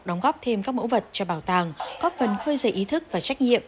đóng góp thêm các mẫu vật cho bảo tàng góp phần khơi dày ý thức và trách nhiệm